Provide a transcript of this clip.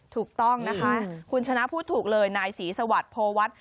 ถูกต้องนะคะคุณชนะพูดถูกเลยนายศรีสวัสดิ์โพวัฒน์